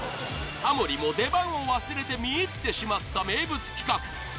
タモリも出番を忘れて見入ってしまった名物企画！